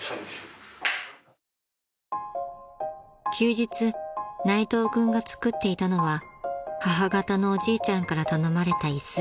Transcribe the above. ［休日内藤君が作っていたのは母方のおじいちゃんから頼まれた椅子］